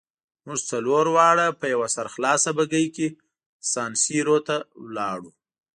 موږ څلور واړه په یوه سرخلاصه بګۍ کې سان سیرو ته ولاړو.